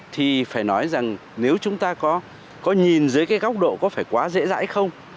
thì phải nói rằng nếu chúng ta có nhìn dưới cái góc độ có phải quá dễ dãi không